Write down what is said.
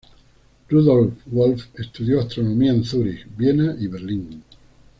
Rudolf Wolf estudió astronomía en Zúrich, Viena y Berlín.